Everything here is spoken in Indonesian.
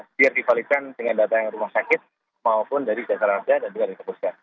biar dibalikan dengan data yang rumah sakit maupun dari jasa raja dan juga dari kepolisian